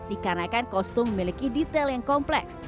dikarenakan kostum memiliki detail yang kompleks